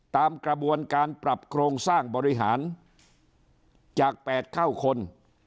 ตามกระบวนการปรับโครงสร้างบริหารจาก๘เท่าคน